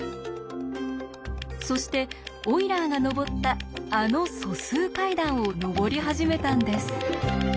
そしてオイラーが上ったあの素数階段を上り始めたんです。